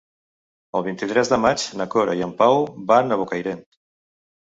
El vint-i-tres de maig na Cora i en Pau van a Bocairent.